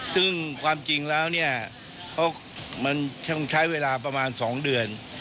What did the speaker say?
ซึ่งความจริงแล้วเนี่ยมันต้องใช้เวลาประมาณ๒เดือน